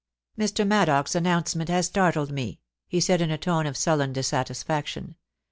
* Mr. Maddox's announcement has startled me,' he said in a tone of sullen dissatisfaction.